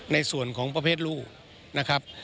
ในส่วนของประเภทลูกนะครับ